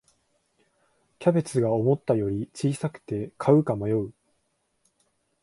キャベツが思ったより小さくて買うか迷う